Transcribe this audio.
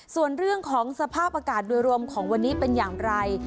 ส่วนเรื่องของสภาพอากาศโดยรวมของวันนี้เป็นอย่างไร